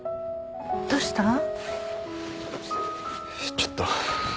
ちょっと。